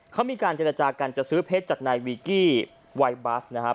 เขามีการเจรจาการจะซื้อเพชรจัดในวิกกี้ไวท์บัสนะครับ